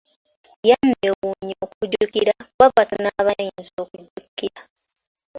Yanneewuunya okujjukira kuba batono abayinza okujjukira.